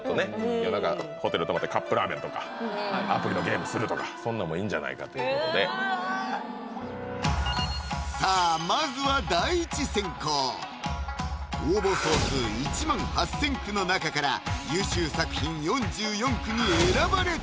夜中ホテル泊まってカップラーメンとかアプリのゲームするとかそんなんもいいんじゃないかということでさあまずは第一選考応募総数１万８０００句の中から優秀作品４４句に選ばれたのか？